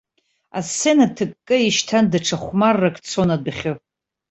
Асцена ҭыкка ишьҭан даҽа хәмаррак цон адәахьы.